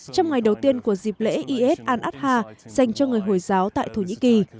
trong ngày đầu tiên của dịp lễ is an at ha dành cho người hồi giáo tại thổ nhĩ kỳ